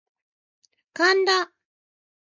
神田